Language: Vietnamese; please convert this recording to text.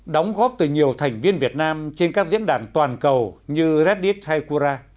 đóng góp từ nhiều thành viên việt nam trên các diễn đàn toàn cầu như reddit hay quora